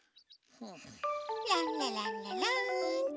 ランラランラランっと。